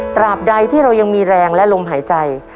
ตราบใดที่เรายังมีแรงและลมหายใจ